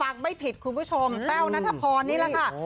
ฟังไม่ผิดคุณผู้ชมแต้วนัทพรนี่แหละค่ะ